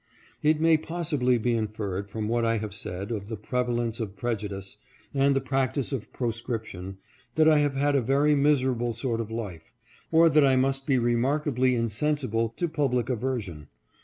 It may possibly be inferred from what I have said of the prevalence of prejudice, and the practice of pro scription, that I have had a very miserable sort of life, or that I must be remarkably insensible to public aversion.